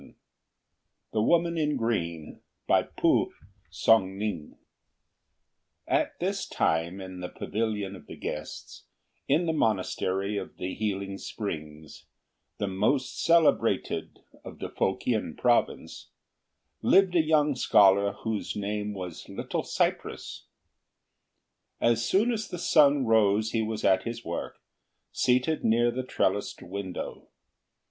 THE WOMAN IN GREEN At this time, in the Pavilion of the guests, in the Monastery of the healing springs, the most celebrated of the Fo kien province, lived a young scholar whose name was Little cypress. As soon as the sun rose he was at his work, seated near the trellised window.